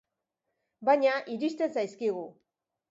Baina, iristen zaizkigu.